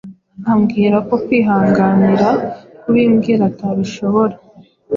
ambwira ko kwihanganira kubimbwira atabishobora